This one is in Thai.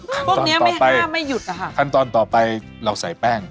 ขั้นตอนต่อไปขั้นตอนต่อไปเราใส่แป้ง